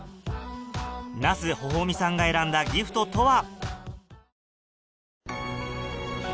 那須ほほみさんが選んだギフトとは？